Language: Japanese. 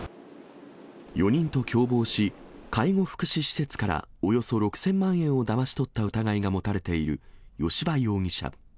４人と共謀し、介護福祉施設からおよそ６０００万円をだまし取った疑いが持たれている吉羽容疑者。